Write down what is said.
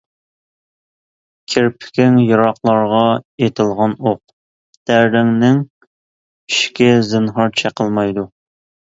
كىرپىكىڭ يىراقلارغا ئېتىلغان ئوق، دەردىڭنىڭ ئىشكى زىنھار چېقىلمايدۇ!